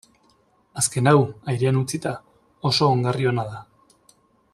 Azken hau, airean utzita, oso ongarri ona da.